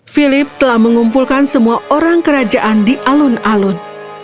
philip telah mengumpulkan semua orang kerajaan di alun alun